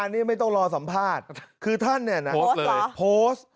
นี่ไม่ต้องรอสัมภาษณ์คือท่านเนี่ยนะโพสต์